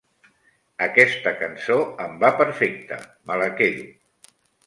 Aquesta cançó em va perfecte; me la quedo.